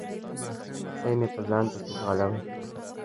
هوسۍ مې په ځان پسي ځغلوي